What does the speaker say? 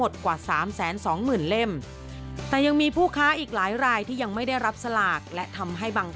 ได้รับสลาก๓๗๐๐๐เล่ม